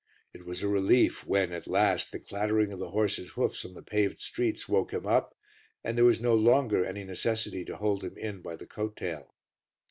It was a relief when, at last, the clattering of the horse's hoofs on the paved streets woke him up, and there was no longer any necessity to hold him in by the coat tail.